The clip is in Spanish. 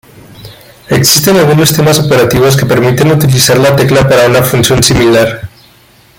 Existen algunos sistemas operativos que permiten utilizar la tecla para una función similar.